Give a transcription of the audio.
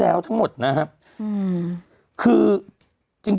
กรมป้องกันแล้วก็บรรเทาสาธารณภัยนะคะ